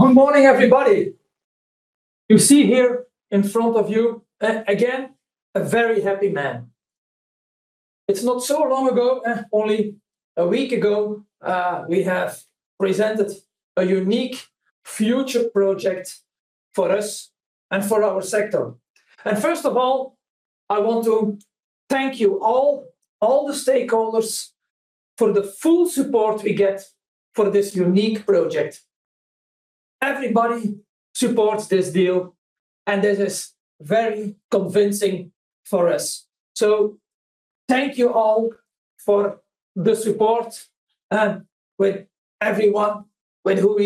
Good morning, everybody. You see here in front of you, again, a very happy man. It's not so long ago, only a week ago, we have presented a unique future project for us and for our sector. First of all, I want to thank you all the stakeholders for the full support we get for this unique project. Everybody supports this deal, and this is very convincing for us. Thank you all for the support, with everyone, by who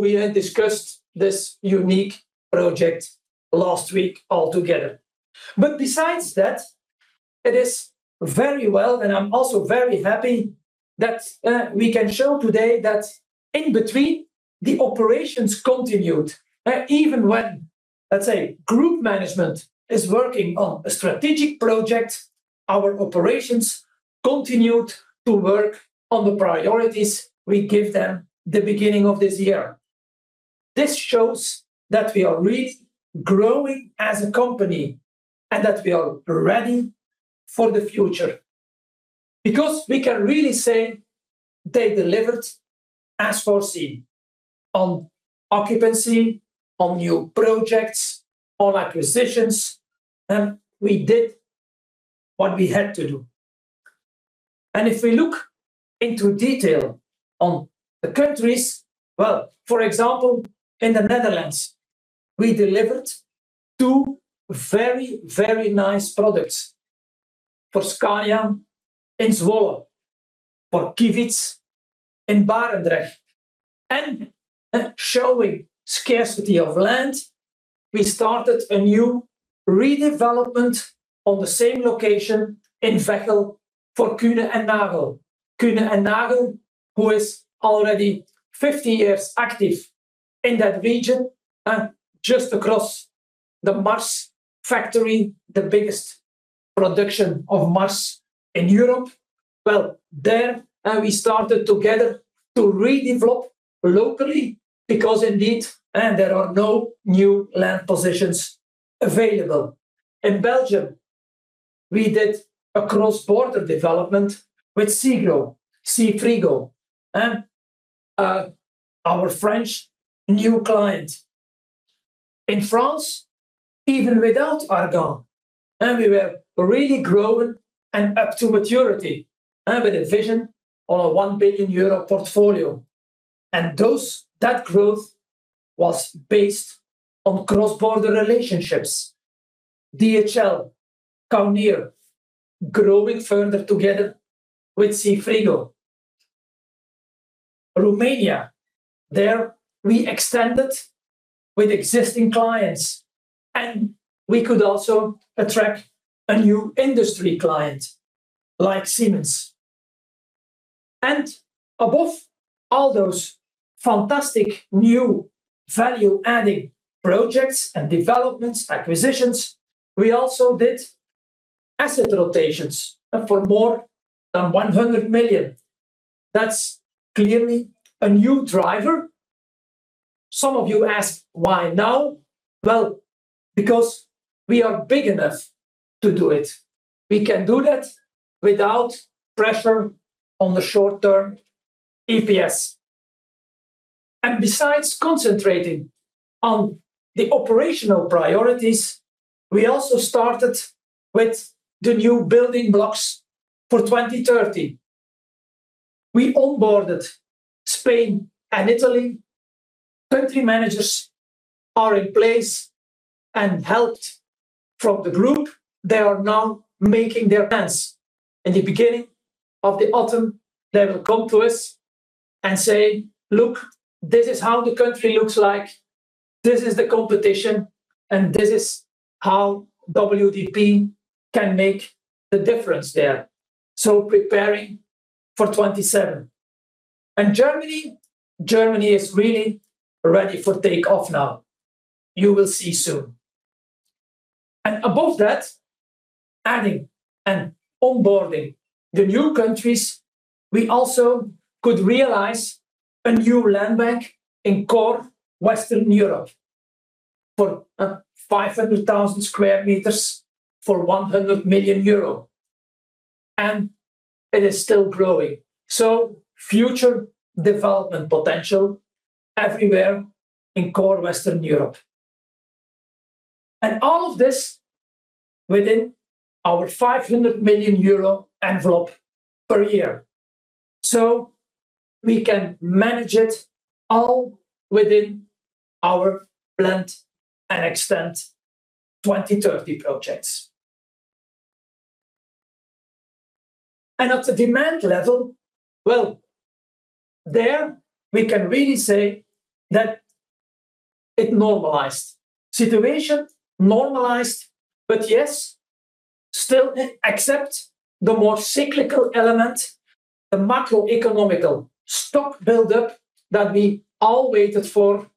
we discussed this unique project last week altogether. Besides that, it is very well, and I'm also very happy that we can show today that in between, the operations continued. Even when, let's say, group management is working on a strategic project, our operations continued to work on the priorities we give them the beginning of this year. This shows that we are really growing as a company and that we are ready for the future. We can really say they delivered as foreseen on occupancy, on new projects, on acquisitions. We did what we had to do. Well, for example, in the Netherlands, we delivered two very, very nice products for Scania in Zwolle, for Kivits in Barendrecht. Showing scarcity of land, we started a new redevelopment on the same location in Veghel for Kuehne+Nagel. Kuehne+Nagel, who is already 50 years active in that region, just across the Mars factory, the biggest production of Mars in Europe. Well, there we started together to redevelop locally because indeed, there are no new land positions available. In Belgium, we did a cross-border development with Seafrigo, our French new client. In France, even without ARGAN, we were really growing and up to maturity with a vision on a 1 billion euro portfolio. That growth was based on cross-border relationships. DHL, Carrefour, growing further together with Seafrigo. Romania, there we extended with existing clients, and we could also attract a new industry client like Siemens. Above all those fantastic new value-adding projects and developments, acquisitions, we also did asset rotations for more than 100 million. That's clearly a new driver. Some of you ask why now? Well, because we are big enough to do it. We can do that without pressure on the short-term EPS. Besides concentrating on the operational priorities, we also started with the new building blocks for 2030. We onboarded Spain and Italy. Country managers are in place and helped from the group. They are now making their plans. In the beginning of the autumn, they will come to us and say, "Look, this is how the country looks like. This is the competition, and this is how WDP can make the difference there." Preparing for 2027. Germany is really ready for takeoff now. You will see soon. Above that, adding and onboarding the new countries, we also could realize a new land bank in core Western Europe for 500,000 sq m for 100 million euro. It is still growing. Future development potential everywhere in core Western Europe. All of this within our 500 million euro envelope per year. We can manage it all within our planned and extent 2030 projects. Well, at the demand level, there we can really say that it normalized. Situation normalized, yes, still except the more cyclical element, the macroeconomic stock buildup that we all waited for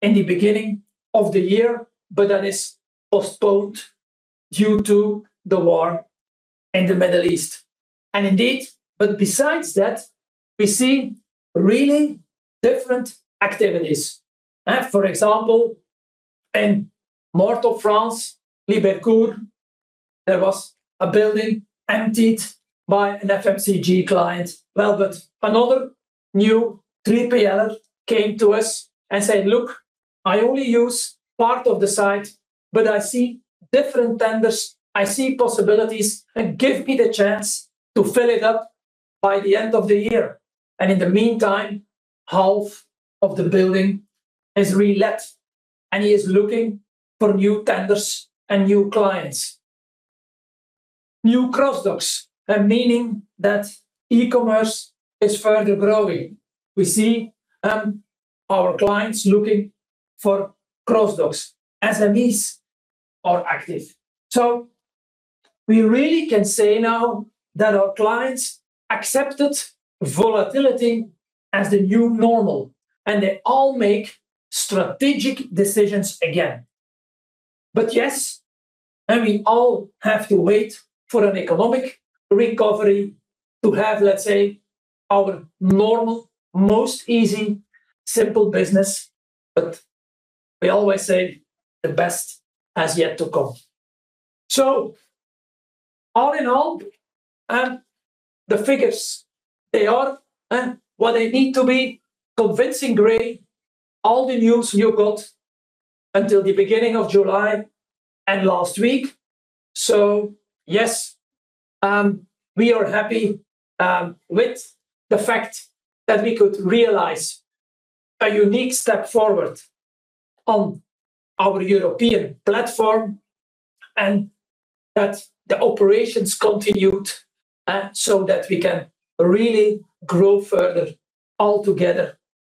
in the beginning of the year, that is postponed due to the war in the Middle East. Indeed, besides that, we see really different activities. For example, in Morteau, France, Libercourt, there was a building emptied by an FMCG client. Well, another new 3PL came to us and said, "Look, I only use part of the site, I see different tenders. I see possibilities, and give me the chance to fill it up by the end of the year." In the meantime, half of the building is re-let, and he is looking for new tenders and new clients. New cross-docks, meaning that e-commerce is further growing. We see our clients looking for cross-docks. SMEs are active. We really can say now that our clients accepted volatility as the new normal, They all make strategic decisions again. Yes, we all have to wait for an economic recovery to have, let's say, our normal, most easy, simple business, We always say the best has yet to come. All in all, the figures, they are what they need to be, convincing grade. All the news you got until the beginning of July and last week. Yes, we are happy with the fact that we could realize a unique step forward on our European platform and that the operations continued, so that we can really grow further all together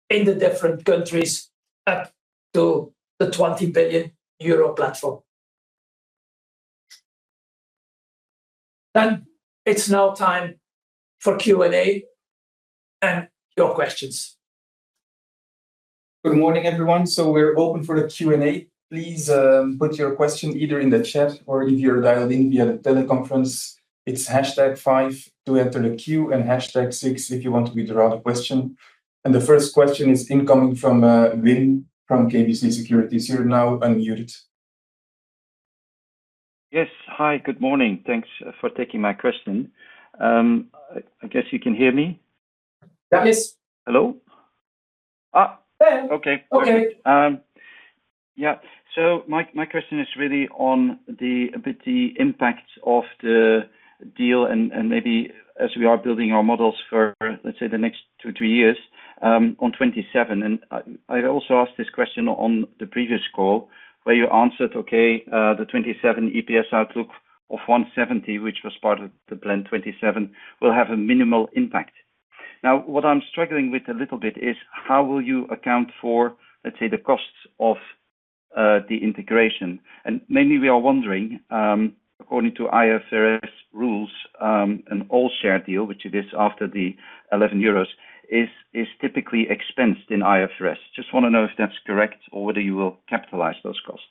in the different countries up to the 20 billion euro platform. It's now time for Q&A and your questions. Good morning, everyone. We're open for the Q&A. Please put your question either in the chat or if you're dialed in via the teleconference, it's hash tag five to enter the queue and hash tag if you want to withdraw the question. The first question is incoming from Wim from KBC Securities. You're now unmuted. Yes. Hi, good morning. Thanks for taking my question. I guess you can hear me? Yes. Hello? Yes. Okay. Okay. Yeah. My question is really on a bit the impact of the deal and maybe as we are building our models for, let's say, the next two, three years, on 2027. I'd also asked this question on the previous call where you answered, okay, the 2027 EPS outlook of 1.70, which was part of the Plan 2027, will have a minimal impact. What I'm struggling with a little bit is how will you account for, let's say, the costs of the integration? Mainly we are wondering, according to IFRS rules, an all-share deal, which it is after the 11 euros, is typically expensed in IFRS. Just want to know if that's correct or whether you will capitalize those costs.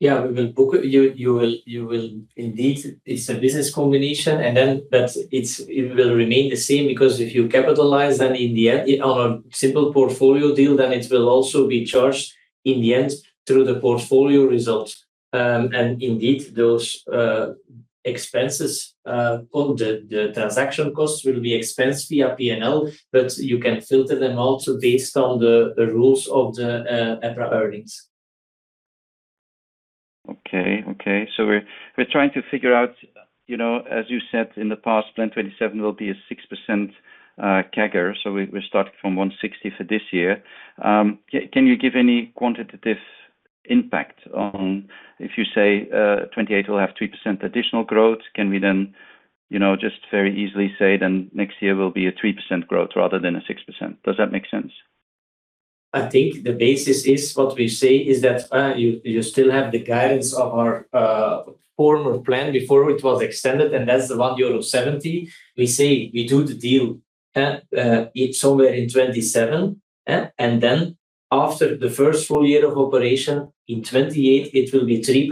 Yeah, we will book it. Indeed, it's a business combination, but it will remain the same because if you capitalize on a simple portfolio deal, then it will also be charged in the end through the portfolio results. Indeed, those expenses on the transaction costs will be expensed via P&L, but you can filter them also based on the rules of the EPRA earnings. Okay. We're trying to figure out, as you said in the past, Plan 2027 will be a 6% CAGR. We're starting from 1.60 for this year. Can you give any quantitative impact on if you say 2028 will have 3% additional growth? Can we then just very easily say then next year will be a 3% growth rather than a 6%? Does that make sense? I think the basis is what we say is that you still have the guidance of our former plan before it was extended, and that's the euro 1.70. We say we do the deal, it's somewhere in 2027. After the first full year of operation in 2028, it will be 3%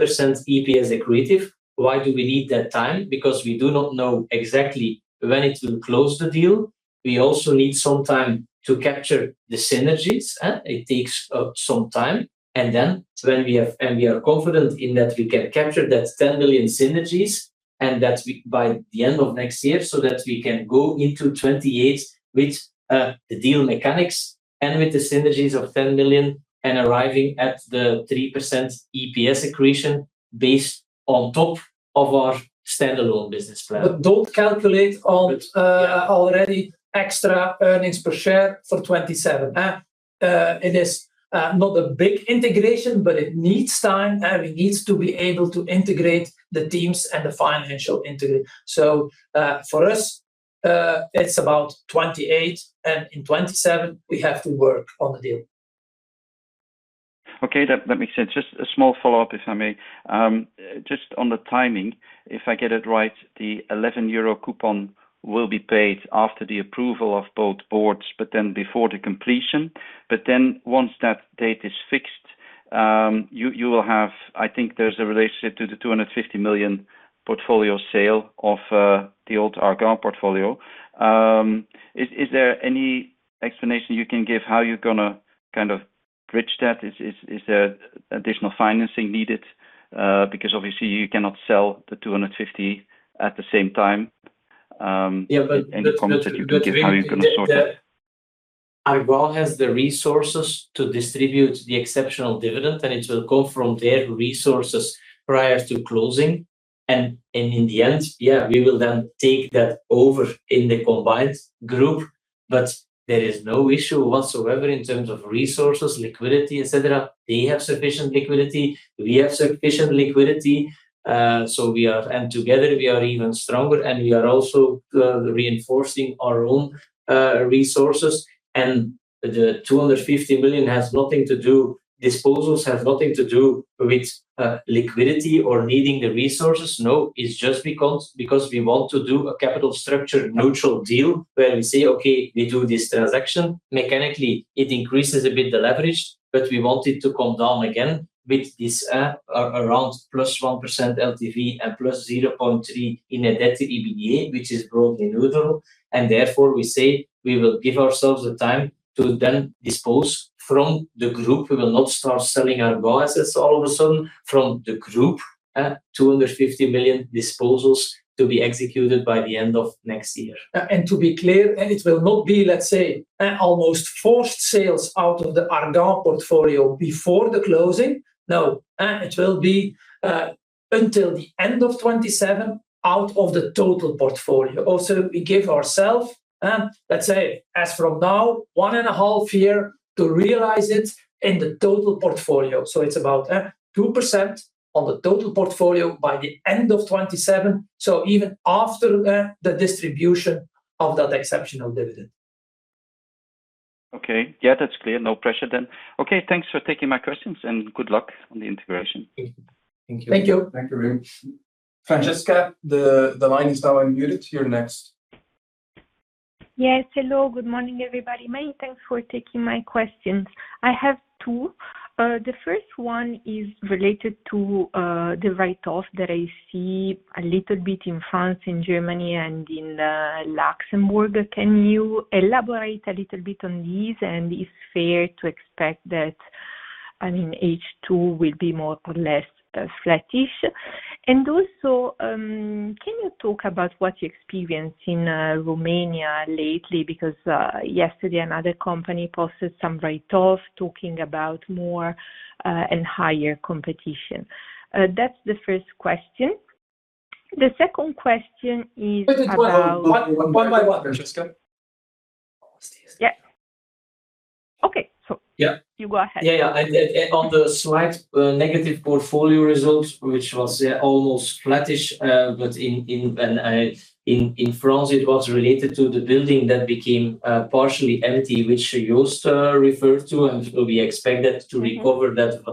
EPS accretive. Why do we need that time? Because we do not know exactly when it will close the deal. We also need some time to capture the synergies. It takes some time. We are confident in that we can capture that 10 million synergies and that by the end of next year, so that we can go into 2028 with the deal mechanics and with the synergies of 10 million and arriving at the 3% EPS accretion based on top of our standalone business plan. Don't calculate on already extra earnings per share for 2027. It is not a big integration, but it needs time, and we need to be able to integrate the teams and the financial integrate. For us, it's about 2028, and in 2027, we have to work on the deal. Okay, that makes sense. Just a small follow-up, if I may. On the timing, if I get it right, the 11 euro coupon will be paid after the approval of both boards, but then before the completion. Once that date is fixed, you will have, I think there's a relationship to the 250 million portfolio sale of the old ARGAN portfolio. Is there any explanation you can give how you're going to bridge that? Is there additional financing needed? Obviously you cannot sell the 250 million at the same time. Any comments that you can give how you're going to sort that? ARGAN has the resources to distribute the exceptional dividend, and it will go from their resources prior to closing. In the end, yeah, we will then take that over in the combined group. There is no issue whatsoever in terms of resources, liquidity, et cetera. They have sufficient liquidity. We have sufficient liquidity. Together, we are even stronger, and we are also reinforcing our own resources. The 250 million has nothing to do, disposals have nothing to do with liquidity or needing the resources. It's just because we want to do a capital structure neutral deal where we say, "Okay, we do this transaction." Mechanically, it increases a bit the leverage, but we want it to come down again with this around +1% LTV and +0.3 in a debt-to-EBITDA, which is broadly neutral. Therefore, we say we will give ourselves the time to then dispose from the group. We will not start selling our assets all of a sudden from the group. 250 million disposals to be executed by the end of next year. To be clear, it will not be, let's say, almost forced sales out of the ARGAN portfolio before the closing. No. It will be until the end of 2027 out of the total portfolio. We give ourselves, let's say, as from now, one and a half years to realize it in the total portfolio. It's about 2% on the total portfolio by the end of 2027. Even after the distribution of that exceptional dividend. Okay. Yeah, that's clear. No pressure then. Okay, thanks for taking my questions, and good luck on the integration. Thank you. Thank you. Thank you very much. Francesca, the line is now unmuted. You're next. Yes. Hello. Good morning, everybody. Many thanks for taking my questions. I have two. The first one is related to the write-off that I see a little bit in France, in Germany, and in Luxembourg. Can you elaborate a little bit on this? Is it fair to expect that, H2 will be more or less flattish. Also, can you talk about what you experience in Romania lately? Because yesterday another company posted some write-off talking about more and higher competition. That's the first question. One by one, Francesca. Yeah. Okay. Yeah. You go ahead. Yeah. On the slight negative portfolio results, which was almost flattish, but in France it was related to the building that became partially empty, which Joost referred to, and we expect to recover that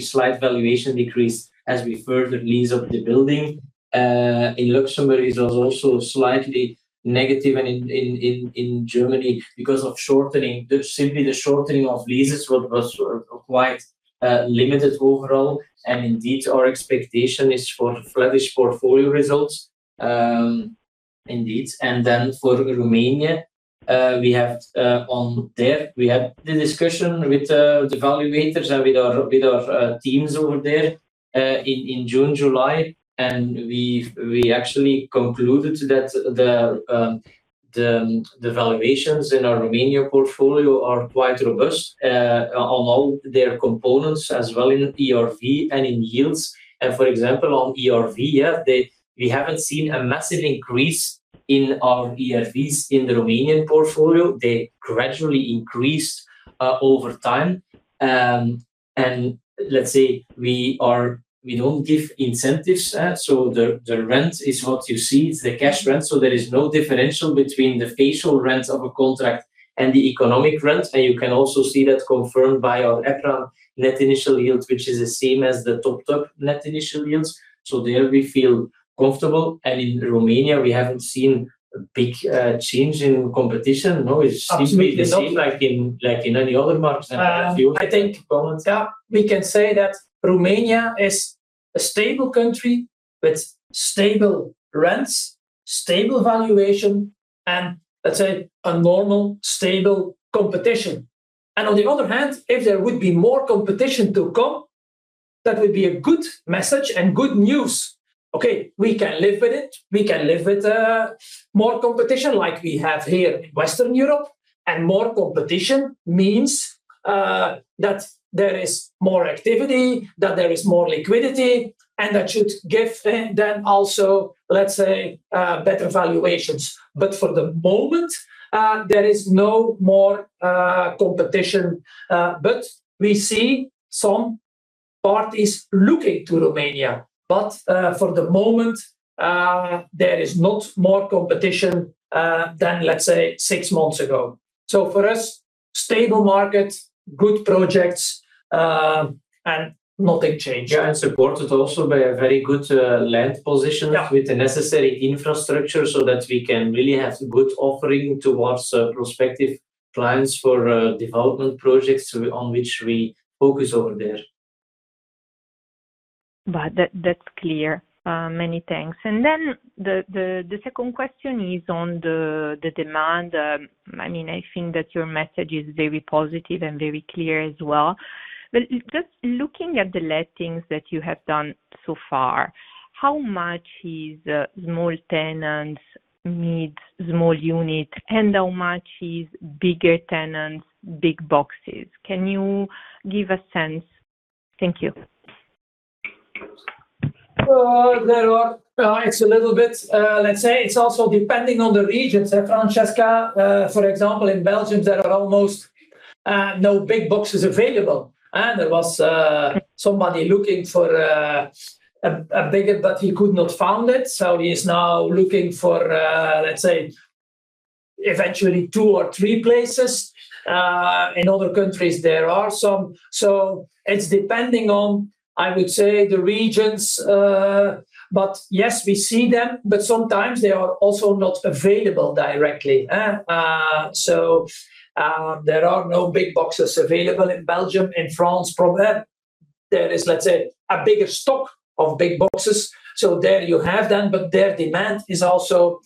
slight valuation decrease as we further lease up the building. In Luxembourg, it was also slightly negative and in Germany because of simply the shortening of leases was quite limited overall. Indeed, our expectation is for flattish portfolio results. Indeed. Then for Romania, on there we had the discussion with the valuators and with our teams over there in June, July. We actually concluded that the valuations in our Romania portfolio are quite robust on all their components as well in ERV and in yields. For example, on ERV, yeah, we haven't seen a massive increase in our ERVs in the Romanian portfolio. They gradually increased over time. Let's say we don't give incentives. The rent is what you see. It's the cash rent. There is no differential between the facial rent of a contract and the economic rent. You can also see that confirmed by our EPRA Net Initial Yield, which is the same as the top-top net initial yields. There we feel comfortable. In Romania, we haven't seen a big change in competition. No. Absolutely not. It's simply the same like in any other markets. I think, we can say that Romania is a stable country with stable rents, stable valuation, and let's say a normal, stable competition. On the other hand, if there would be more competition to come, that would be a good message and good news. Okay. We can live with it. We can live with more competition like we have here in Western Europe. More competition means that there is more activity, that there is more liquidity, and that should give then also, let's say, better valuations. For the moment, there is no more competition. We see some parties looking to Romania. For the moment, there is not more competition than, let's say, six months ago. For us, stable markets, good projects, and nothing change. Yeah, supported also by a very good land position with the necessary infrastructure so that we can really have good offering towards prospective clients for development projects on which we focus over there. That's clear. Many thanks. The second question is on the demand. I think that your message is very positive and very clear as well. Just looking at the lettings that you have done so far, how much is small tenants need small units, and how much is bigger tenants big boxes? Can you give a sense? Thank you. Let's say it's also depending on the regions, Francesca. For example, in Belgium, there are almost no big boxes available. There was somebody looking for a bigger, but he could not find it, so he is now looking for eventually two or three places. In other countries, there are some. It's depending on, I would say, the regions. Yes, we see them, but sometimes they are also not available directly. There are no big boxes available in Belgium. In France, probably there is a bigger stock of big boxes, so there you have them, but their demand is also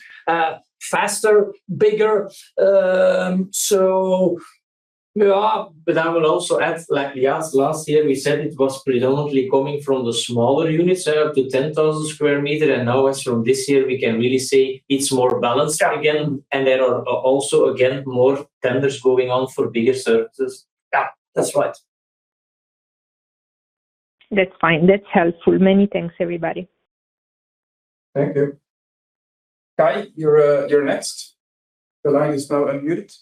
faster, bigger. I will also add, like last year, we said it was predominantly coming from the smaller units up to 10,000 sq m, now as from this year, we can really say it's more balanced again. There are also, again, more tenders going on for bigger surfaces. Yeah, that's right. That's fine. That's helpful. Many thanks, everybody. Thank you. Kai, you're next. The line is now unmuted.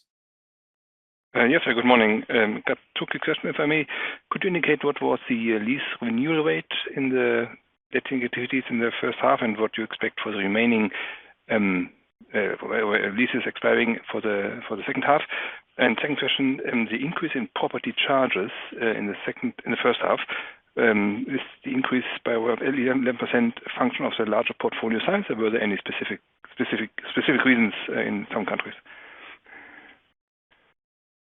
Yes, sir. Good morning. Two quick questions, if I may. Could you indicate what was the lease renewal rate in the letting activities in the first half and what you expect for the remaining leases expiring for the second half? Second question, the increase in property charges in the first half, is the increase by 11% a function of the larger portfolio size, or were there any specific reasons in some countries?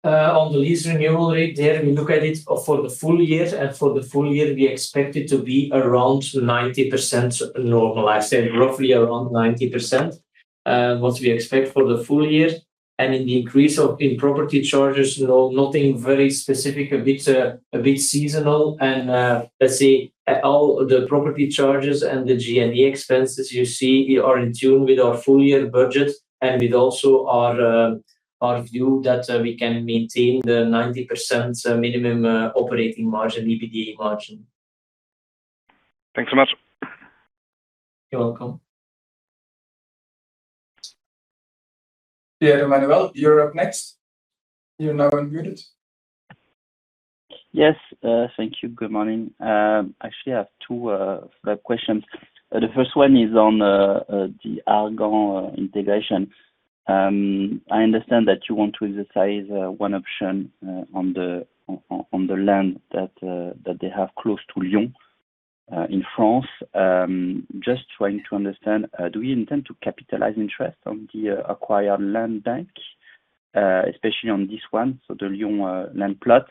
On the lease renewal rate there, we look at it for the full year, for the full year, we expect it to be around 90% normalized. Roughly around 90%, what we expect for the full year. In the increase in property charges, nothing very specific, a bit seasonal. Let's say all the property charges and the G&A expenses you see are in tune with our full year budget and with also our view that we can maintain the 90% minimum operating margin, EBITDA margin. Thanks so much. You're welcome. Thierry Blondeau, you're up next. You're now unmuted. Yes. Thank you. Good morning. Actually, I have two quick questions. The first one is on the ARGAN integration. I understand that you want to exercise one option on the land that they have close to Lyon in France. Just trying to understand, do we intend to capitalize interest on the acquired land bank, especially on this one, so the Lyon land plot?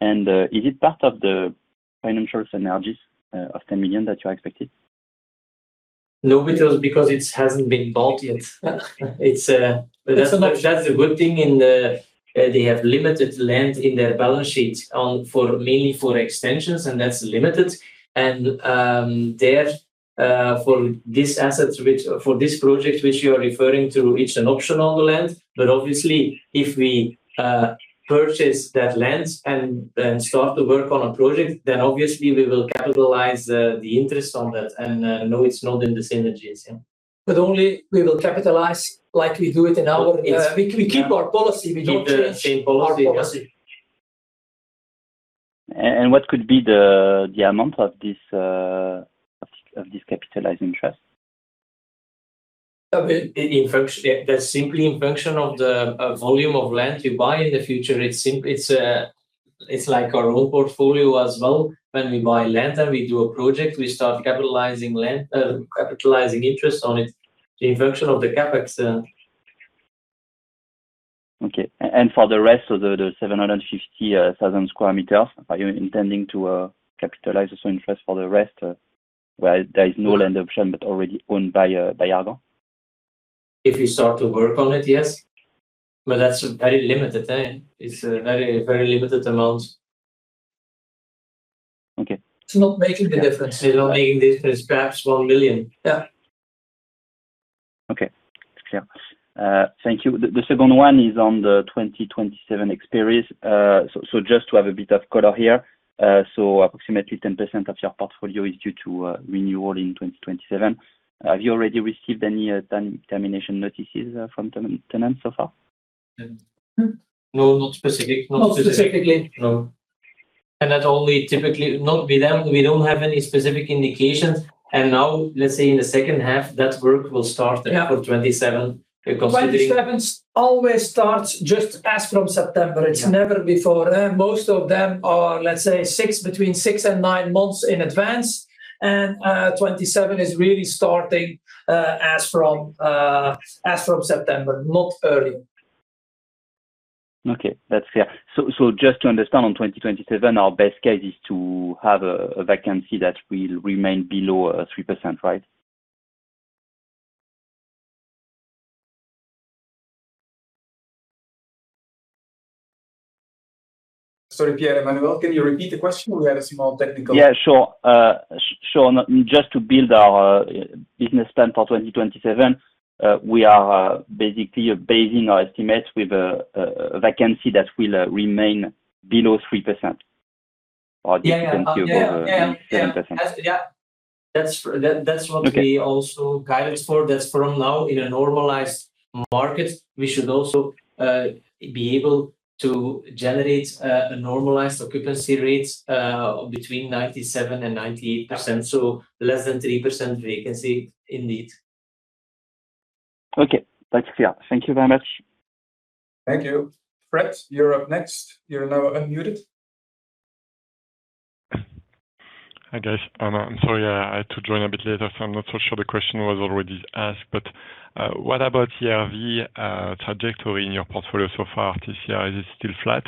Is it part of the financial synergies of 10 million that you expected? No, because it hasn't been bought yet. Thanks so much. That's a good thing. They have limited land in their balance sheet, mainly for extensions, and that's limited. There, for this project which you are referring to, it's an option on the land. Obviously, if we purchase that land and start to work on a project, then obviously we will capitalize the interest on that. No, it's not in the synergies. Only we will capitalize like we do it. We keep our policy. We don't change our policy. Keep the same policy, yes. What could be the amount of this capitalized interest? That's simply in function of the volume of land you buy in the future. It's like our own portfolio as well. When we buy land and we do a project, we start capitalizing interest on it in function of the CapEx. Okay. For the rest of the 750,000 square meters, are you intending to capitalize this interest for the rest where there is no land option, but already owned by ARGAN? If you start to work on it, yes. That's very limited. It's a very limited amount. Okay. It's not making the difference. Making a difference perhaps 1 million. Yeah. Okay. Clear. Thank you. The second one is on the 2027 expiries. Just to have a bit of color here. Approximately 10% of your portfolio is due to renewal in 2027. Have you already received any termination notices from tenants so far? No, not specific. Not specifically. No. That only typically not with them. We don't have any specific indications. Now, let's say, in the second half, that work will start for 2027. 2027 always starts just as from September. It's never before. Most of them are, let's say, between six and nine months in advance. 2027 is really starting as from September, not earlier. Okay, that's fair. Just to understand, on 2027, our best case is to have a vacancy that will remain below 3%, right? Sorry, Thierry Blondeau, can you repeat the question? Just to build our business plan for 2027, we are basically basing our estimate with a vacancy that will remain below 3%. Vacancy of over 3%. Yeah. That's what we also guided for. That's from now, in a normalized market, we should also be able to generate a normalized occupancy rate between 97% and 98%, so less than 3% vacancy indeed. Okay. That's clear. Thank you very much. Thank you. Fred, you're up next. You're now unmuted. Hi, guys. I'm sorry. I had to join a bit later. I'm not so sure the question was already asked. What about the ERV trajectory in your portfolio so far, TCI? Is it still flat?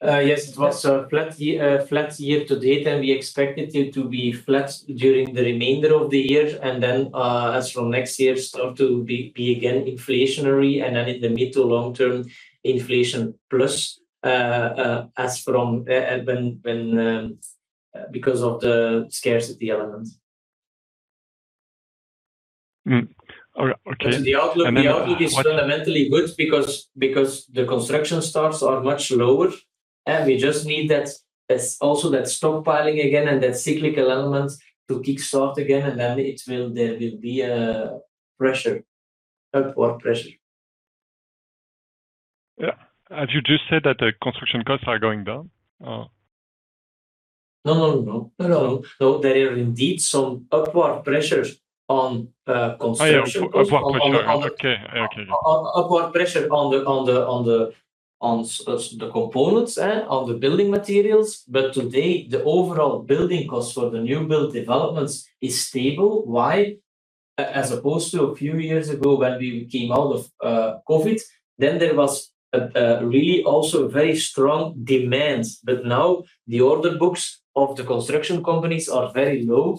Yes. It was a flat year to date. We expect it to be flat during the remainder of the year. As from next year start to be again inflationary. In the mid to long term, inflation plus because of the scarcity element. All right. Okay. The outlook is fundamentally good because the construction starts are much lower. We just need also that stockpiling again and that cyclical element to kickstart again. There will be upward pressure. Yeah. Have you just said that the construction costs are going down? No. There are indeed some upward pressures on construction costs. Upward pressure. Okay. Upward pressure on the components of the building materials. Today, the overall building cost for the new build developments is stable. Why? As opposed to a few years ago when we came out of COVID, there was a really also very strong demand. Now the order books of the construction companies are very low,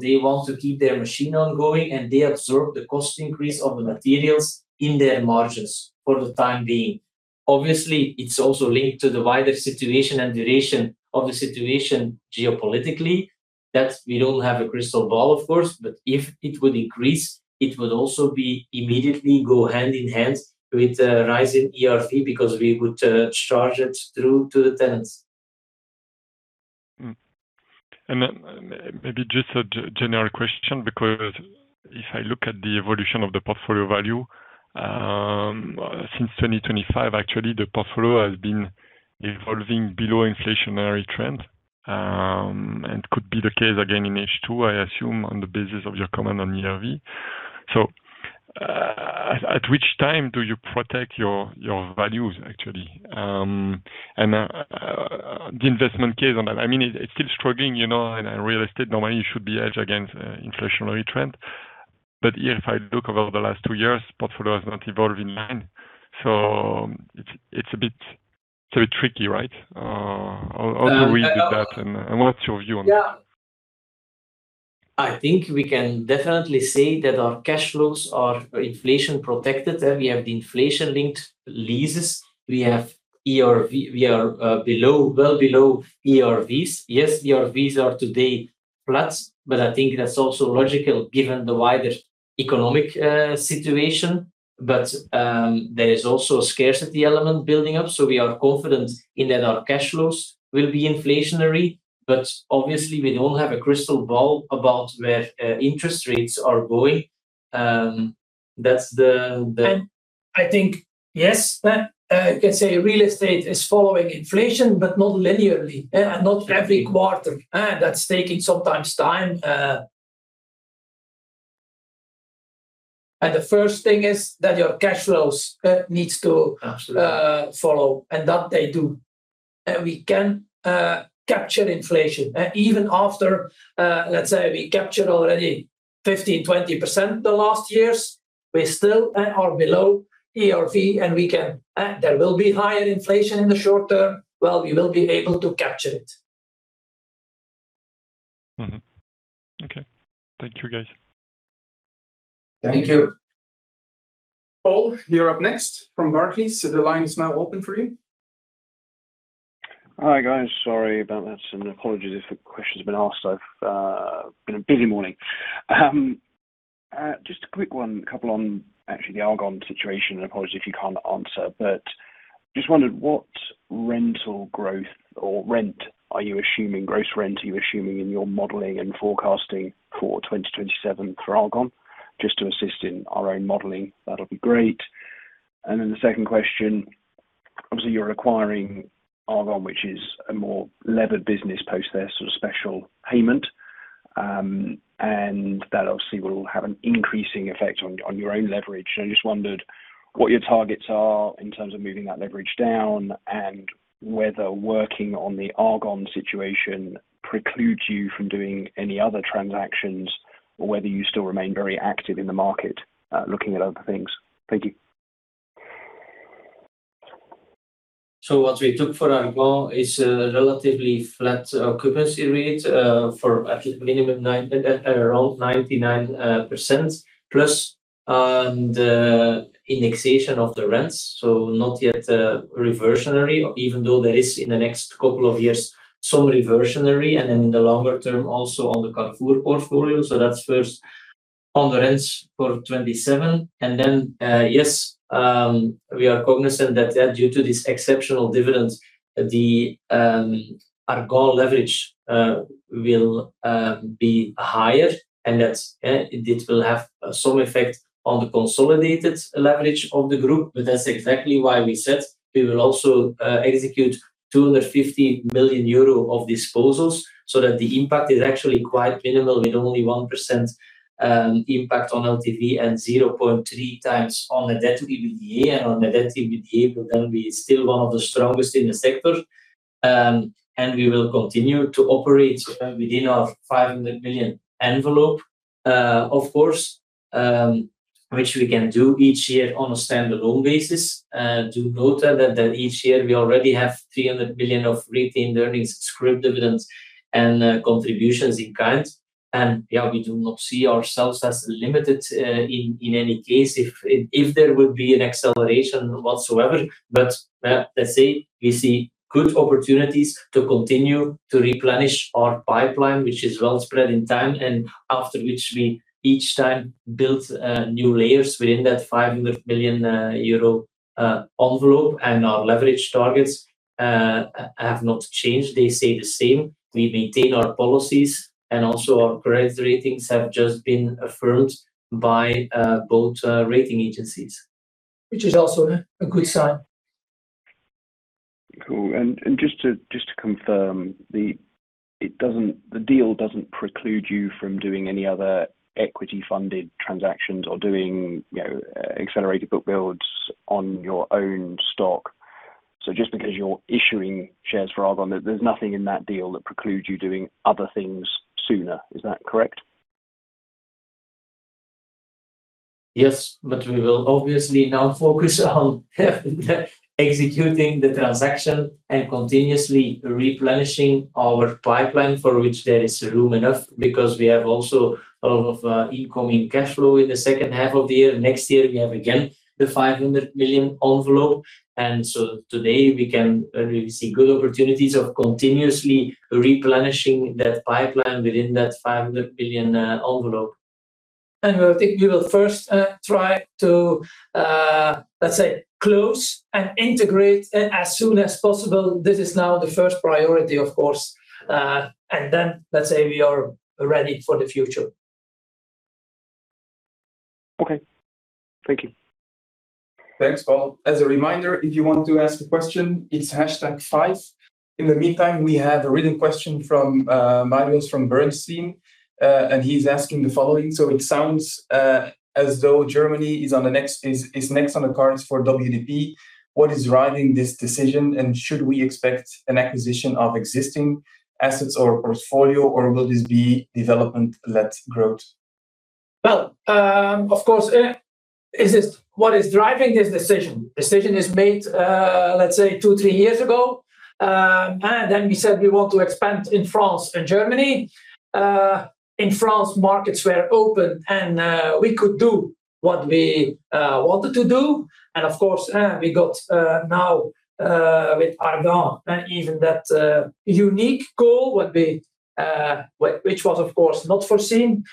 they want to keep their machine ongoing, and they absorb the cost increase of the materials in their margins for the time being. Obviously, it is also linked to the wider situation and duration of the situation geopolitically, that we don't have a crystal ball, of course. If it would increase, it would also immediately go hand in hand with a rise in ERV because we would charge it through to the tenants. Maybe just a general question, because if I look at the evolution of the portfolio value, since 2025, actually, the portfolio has been evolving below inflationary trend. Could be the case again in H2, I assume, on the basis of your comment on ERV. At which time do you protect your values, actually? The investment case on that, it's still struggling, in real estate, normally you should be hedged against inflationary trend. If I look over the last two years, portfolio has not evolved in line. It's a bit tricky, right? How do we did that, and what's your view on that? Yeah. I think we can definitely say that our cash flows are inflation protected. We have the inflation-linked leases. We are well below ERVs. Yes, ERVs are today flat, I think that's also logical given the wider economic situation. There is also a scarcity element building up, so we are confident in that our cash flows will be inflationary. Obviously, we don't have a crystal ball about where interest rates are going. I think, yes, you can say real estate is following inflation, but not linearly. Not every quarter. That's taking sometimes time. The first thing is that your cash flows follow, that they do. We can capture inflation. Even after, let's say we captured already 15%, 20% the last years, we still are below ERV, and there will be higher inflation in the short term. Well, we will be able to capture it. Okay. Thank you, guys. Thank you. Paul, you're up next from Barclays. The line is now open for you. Hi, guys. Sorry about that, apologies if the question's been asked. I've been a busy morning. Just a quick one, couple on actually the ARGAN situation, apologies if you can't answer. Just wondered what rental growth or rent are you assuming, gross rent are you assuming in your modeling and forecasting for 2027 for ARGAN? Just to assist in our own modeling, that'll be great. The second question, obviously, you're acquiring ARGAN, which is a more levered business post their special payment. That obviously will have an increasing effect on your own leverage. I just wondered what your targets are In terms of moving that leverage down and whether working on the ARGAN situation precludes you from doing any other transactions, or whether you still remain very active in the market looking at other things. Thank you. What we took for ARGAN is a relatively flat occupancy rate for at minimum around 99%, plus the indexation of the rents. Not yet reversionary, even though there is, in the next couple of years, some reversionary, and then in the longer term, also on the Carrefour portfolio. That's first on the rents for 2027. Then, yes, we are cognizant that due to this exceptional dividend, the ARGAN leverage will be higher. It will have some effect on the consolidated leverage of the group. That's exactly why we said we will also execute 250 million euro of disposals so that the impact is actually quite minimal, with only 1% impact on LTV and 0.3x on the debt to EBITDA, and on net debt to EBITDA will then be still one of the strongest in the sector. We will continue to operate within our 500 million envelope, of course, which we can do each year on a standalone basis. Do note that each year we already have 300 million of retained earnings, scrip dividends, and contributions in kind. Yeah, we do not see ourselves as limited in any case, if there will be an acceleration whatsoever. Let's say, we see good opportunities to continue to replenish our pipeline, which is well spread in time, and after which we each time build new layers within that 500 million euro envelope. Our leverage targets have not changed, they stay the same. We maintain our policies and also our credit ratings have just been affirmed by both rating agencies. Which is also a good sign. Cool. Just to confirm, the deal doesn't preclude you from doing any other equity-funded transactions or doing accelerated book builds on your own stock. Just because you're issuing shares for ARGAN, there's nothing in that deal that precludes you doing other things sooner. Is that correct? We will obviously now focus on executing the transaction and continuously replenishing our pipeline, for which there is room enough because we have also a lot of incoming cash flow in the second half of the year. Next year, we have again the 500 million envelope. Today we can really see good opportunities of continuously replenishing that pipeline within that 500 million envelope. I think we will first try to, let's say, close and integrate as soon as possible. This is now the first priority, of course. Then, let's say, we are ready for the future. Okay. Thank you. Thanks, Paul. As a reminder, if you want to ask a question, it's hash tag five. In the meantime, we have a written question from Marius from Bernstein. He's asking the following: "It sounds as though Germany is next on the cards for WDP. What is driving this decision, and should we expect an acquisition of existing assets or portfolio, or will this be development-led growth? Well, of course, what is driving this decision? Decision is made, let's say two, three years ago. We said we want to expand in France and Germany. In France, markets were open, and we could do what we wanted to do. Of course, we got now with ARGAN, even that unique goal, which was of course not foreseen.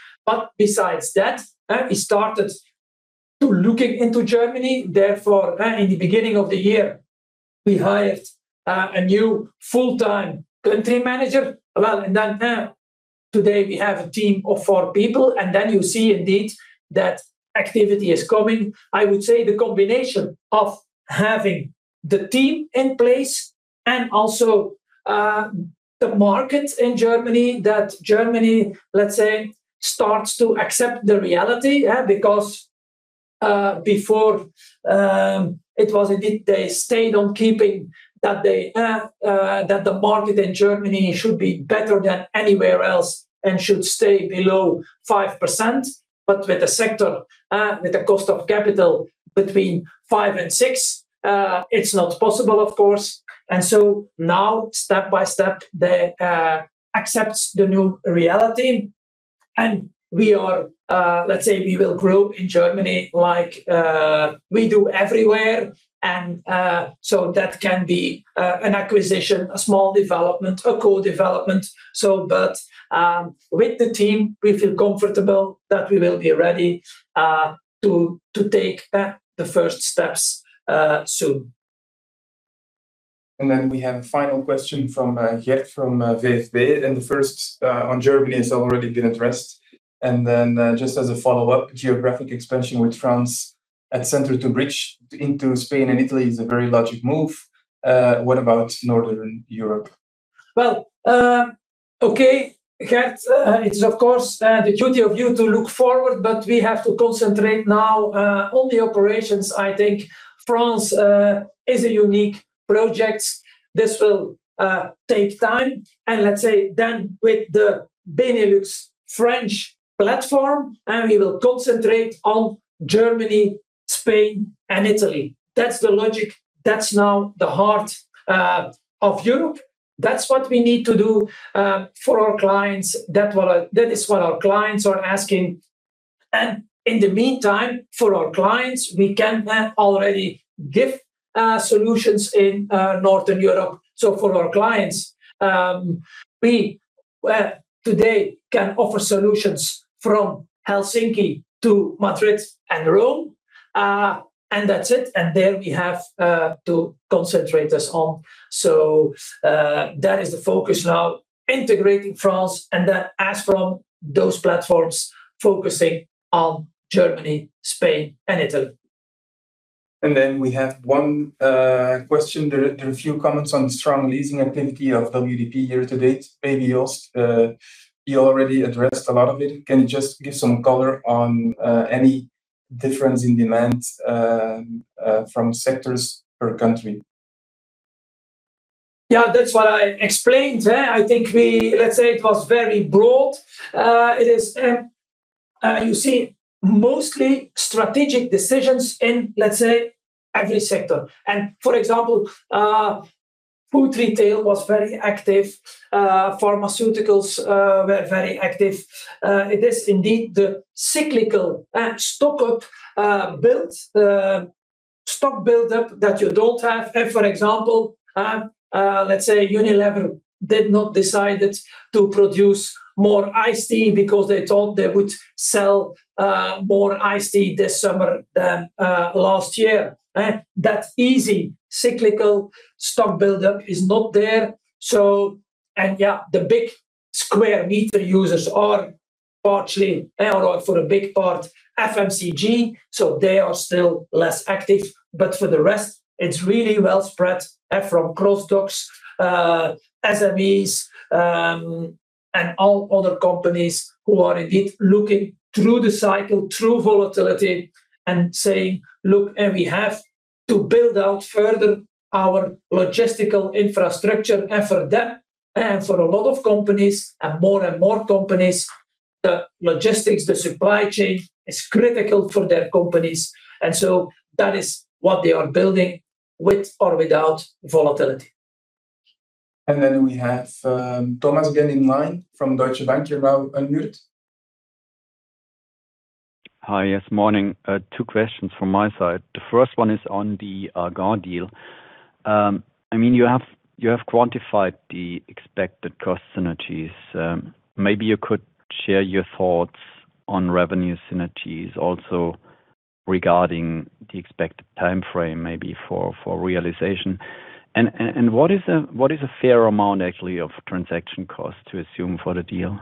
Besides that, we started to looking into Germany. Therefore, in the beginning of the year, we hired a new full-time country manager. Today we have a team of four people, and then you see indeed that activity is coming. I would say the combination of having the team in place and also the market in Germany, that Germany, let's say, starts to accept the reality. Because before, it was indeed they stayed on keeping that the market in Germany should be better than anywhere else and should stay below 5%. With the sector, with the cost of capital between five and six, it's not possible, of course. Now, step by step, they accept the new reality. We are, let's say, we will grow in Germany like we do everywhere. That can be an acquisition, a small development, a co-development. With the team, we feel comfortable that we will be ready to take the first steps soon. We have a final question from Gert from VFB. The first on Germany has already been addressed. Just as a follow-up, geographic expansion with France at center to bridge into Spain and Italy is a very logical move. What about Northern Europe? Well, okay, Gert. It's of course the duty of you to look forward, but we have to concentrate now on the operations. I think France is a unique project. This will take time, and let's say then with the Benelux French platform, we will concentrate on Germany, Spain, and Italy. That's the logic. That's now the heart of Europe. That's what we need to do for our clients. That is what our clients are asking. In the meantime, for our clients, we can already give solutions in Northern Europe. For our clients, we today can offer solutions from Helsinki to Madrid and Rome, and that's it, and there we have to concentrate this on. That is the focus now, integrating France, and then as from those platforms, focusing on Germany, Spain, and Italy. We have one question there. There are a few comments on the strong leasing activity of WDP year to date. Maybe, Joost, you already addressed a lot of it. Can you just give some color on any difference in demand from sectors per country? Yeah, that's what I explained. I think Let's say it was very broad. You see mostly strategic decisions in, let's say, every sector. For example, food retail was very active. Pharmaceuticals were very active. It is indeed the cyclical stock build-up that you don't have. For example, let's say Unilever did not decide to produce more iced tea because they thought they would sell more iced tea this summer than last year. That easy cyclical stock build-up is not there. Yeah, the big square meter users are partially, for a big part, FMCG, they are still less active. For the rest, it's really well spread from cross-docks, SMEs, and all other companies who are indeed looking through the cycle, through volatility, and saying, "Look, we have to build out further our logistical infrastructure." For them, and for a lot of companies and more and more companies, the logistics, the supply chain is critical for their companies. That is what they are building with or without volatility. We have Thomas again in line from Deutsche Bank. You are now unmuted. Hi. Yes, morning. Two questions from my side. The first one is on the ARGAN deal. You have quantified the expected cost synergies. Maybe you could share your thoughts on revenue synergies also regarding the expected timeframe, maybe for realization. What is a fair amount, actually, of transaction costs to assume for the deal?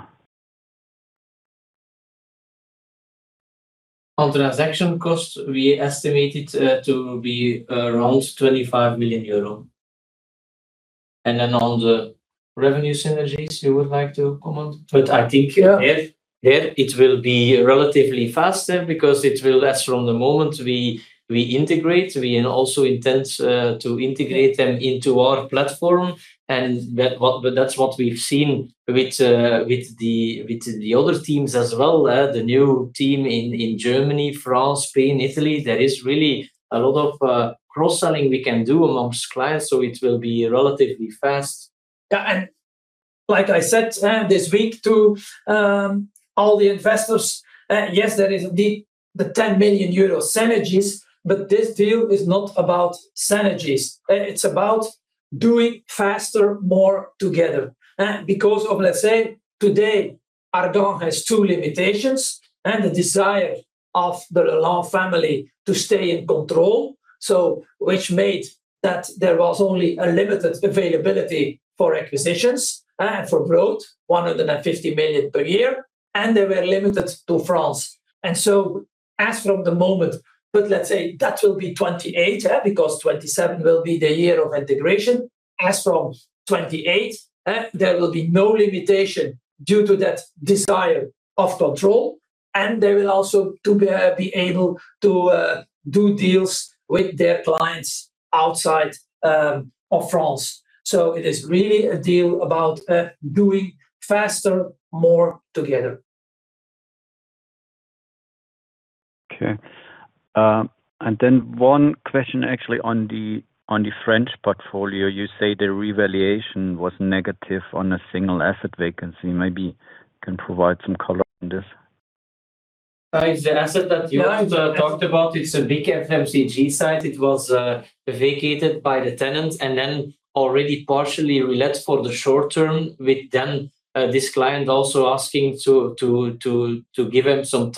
On transaction cost, we estimate it to be around 25 million euro. On the revenue synergies, you would like to comment? But I think- Yeah there it will be relatively faster because it will as from the moment we integrate, we also intend to integrate them into our platform. That's what we've seen with the other teams as well, the new team in Germany, France, Spain, Italy. There is really a lot of cross-selling we can do amongst clients, so it will be relatively fast. Yeah, like I said this week to all the investors, yes, there is indeed the 10 million euro synergies. This deal is not about synergies. It's about doing faster, more together. Let's say, today, ARGAN has two limitations and the desire of the Le Lan family to stay in control. Which made that there was only a limited availability for acquisitions and for growth, 150 million per year, and they were limited to France. As from the moment, let's say that will be 2028, because 2027 will be the year of integration. As from 2028, there will be no limitation due to that desire of control, and they will also be able to do deals with their clients outside of France. It is really a deal about doing faster, more together. Okay. One question actually on the French portfolio. You say the revaluation was negative on a single asset vacancy. Maybe you can provide some color on this? The asset that you have talked about, it's a big FMCG site. It was vacated by the tenant already partially re-let for the short term with this client also asking to give him some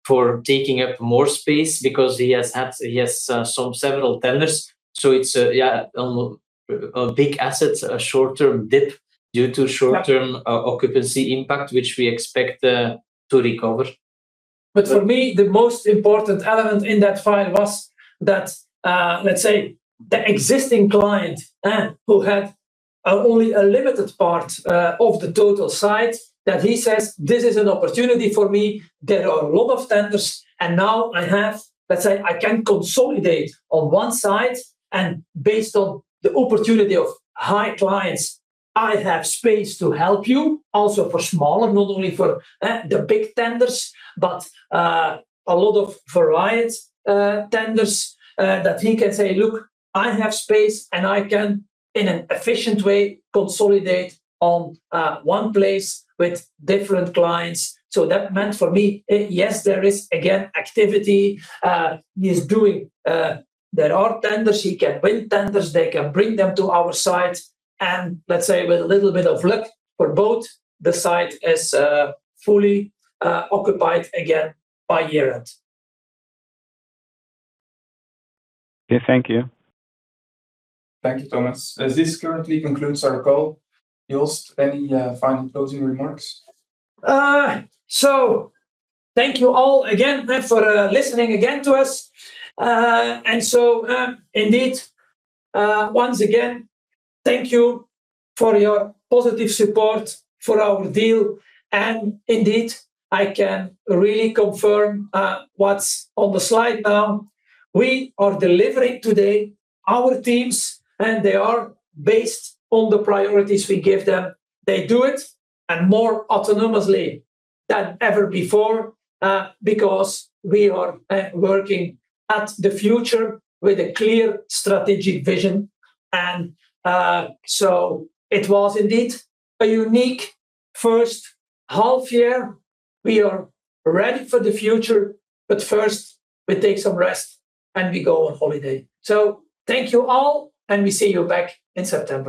time for taking up more space because he has some several tenants. It's, yeah, on big assets, a short-term dip due to short-term occupancy impact, which we expect to recover. For me, the most important element in that file was that, let's say, the existing client who had only a limited part of the total site, that he says, "This is an opportunity for me. There are a lot of tenders, let's say I can consolidate on one site and based on the opportunity of high clients, I have space to help you." Also for smaller, not only for the big tenders, but a lot of variety tenders that he can say, "Look, I have space, and I can, in an efficient way, consolidate on one place with different clients." That meant for me, yes, there is again, activity. There are tenders. He can win tenders. They can bring them to our site. Let's say with a little bit of luck for both, the site is fully occupied again by year-end. Okay. Thank you. Thank you, Thomas. This currently concludes our call. Joost, any final closing remarks? Thank you all again for listening again to us. Indeed, once again, thank you for your positive support for our deal. Indeed, I can really confirm what's on the slide now. We are delivering today, our teams, and they are based on the priorities we give them. They do it and more autonomously than ever before, because we are working at the future with a clear strategic vision. It was indeed a unique first half year. We are ready for the future, but first we take some rest, and we go on holiday. Thank you all, and we see you back in September.